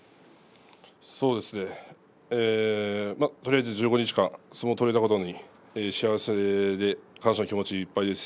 そうですねとりあえず１５日間相撲を取れたことに幸せと感謝の気持ちでいっぱいです。